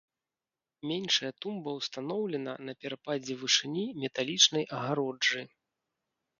Меншая тумба ўстаноўлена на перападзе вышыні металічнай агароджы.